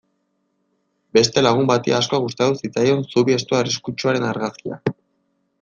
Beste lagun bati asko gustatu zitzaion zubi estu arriskutsuaren argazkia.